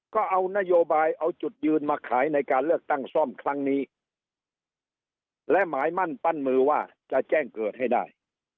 ก็เอานโยบายเอาจุดยืนมาขายในการเลือกตั้งซ่อมครั้งนี้และหมายมั่นปั้นมือว่าจะแจ้งเกิดให้ได้